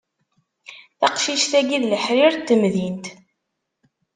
Taqcict-agi d leḥrir n temdint.